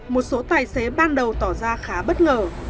một số tài xế ban đầu tỏ ra khá bất ngờ